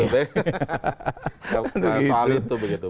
soal itu begitu